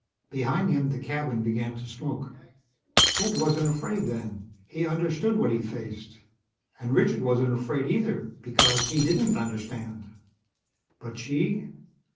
Behind him the cabin began to smoke. Ted wasn't afraid, then. He understood what he faced. And Richard wasn't afraid, either, because he didn't understand. But she?